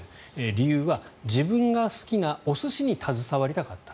理由は自分が好きなお寿司に携わりたかった。